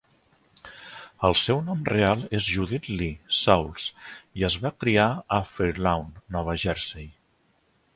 El seu nom real és Judith Lee Sauls i es va criar a Fair Lawn (Nova Jersey).